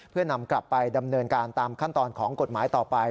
เพื่อนำกลับไปดำเนินการตามขั้นตอนของกฎหมายต่อไป